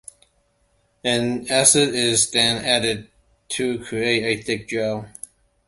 An acid is then added to create a thick gel.